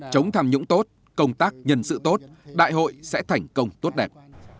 chống tham nhũng tốt công tác nhân sự tốt đại hội sẽ thành công tốt đẹp